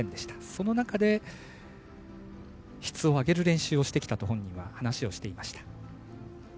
その中で質を上げる練習をしてきたと本人は話をしていました。